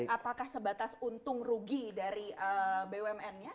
apakah sebatas untung rugi dari bumn nya